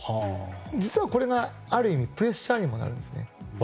実はこれがある意味プレッシャーにもなるんですね。